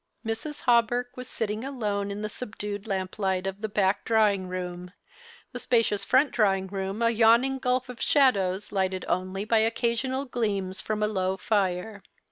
Mrs. Hawberk was sitting alone in the subdued lamp light of the back drawing room, the spacious front drawing room a yawning gulf of shadows lighted only by occasional gleams from a low fire.